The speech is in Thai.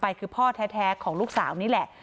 คือพ่อแท้ของลูกสาวนี่แหละ